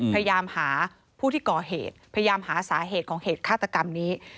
พยายามหาผู้ที่ก่อเหตุพยายามหาสาเหตุของเหตุฆาตกรรมนี้